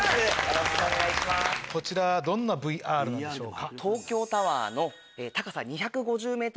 こちらはどんなＶＲなんでしょうか？